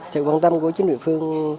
sự quan tâm của chính địa phương